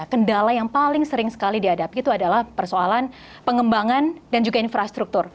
kendala yang paling sering sekali dihadapi itu adalah persoalan pengembangan dan juga infrastruktur